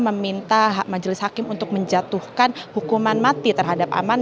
meminta majelis hakim untuk menjatuhkan hukuman mati terhadap aman